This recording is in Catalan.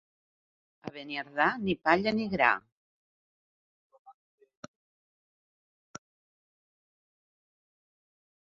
A Beniardà ni palla ni gra.